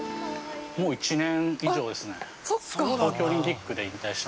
◆もう１年以上ですね。